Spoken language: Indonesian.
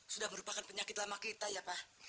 sudah merupakan penyakit lama kita ya pak